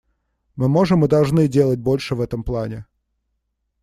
Мы можем и должны делать больше в этом плане.